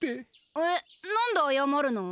えっなんであやまるの？